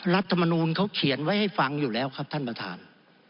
รัฐมนูลเขาเขียนไว้ให้ฟังอยู่แล้วครับท่านประธาน